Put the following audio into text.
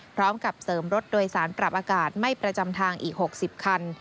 พร้อมกับเสริมรถโดยสารปรับอากาศไม่ประจำทางอีก๖๐คัน